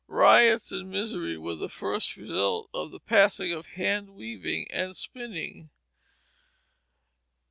Riots and misery were the first result of the passing of hand weaving and spinning.